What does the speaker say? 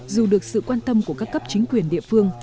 dù được sự quan tâm của các cấp chính quyền địa phương